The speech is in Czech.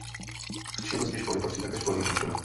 K činnosti školy patří také školní družina.